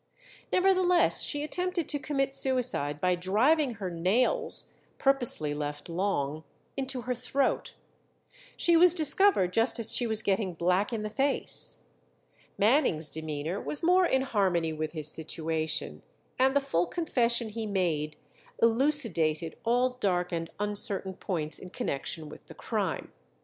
Nevertheless, she attempted to commit suicide by driving her nails, purposely left long, into her throat. She was discovered just as she was getting black in the face. Manning's demeanour was more in harmony with his situation, and the full confession he made elucidated all dark and uncertain points in connection with the crime.